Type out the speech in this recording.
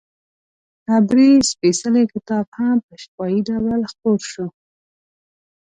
عبري سپېڅلی کتاب هم په شفاهي ډول خپور شو.